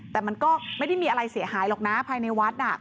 แต่มันก็ไม่ได้มีอะไรเสียหายหรอกนะภายในวัด